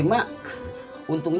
tidak ada yang ngerti